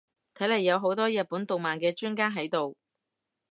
睇嚟有好多日本動漫嘅專家喺度